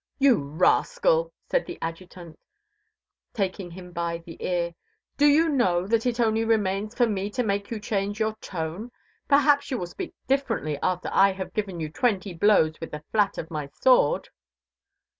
"You rascal!" said the Adjutant, taking him by the ear, "do you know that it only remains for me to make you change your tone? Perhaps you will speak differently after I have given you twenty blows with the flat of my sword."